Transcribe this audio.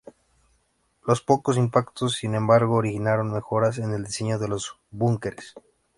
Los pocos impactos, sin embargo, originaron mejoras en el diseño de los búnkeres.